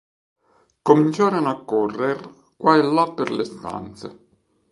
Cominciarono a correr qua e là per le stanze.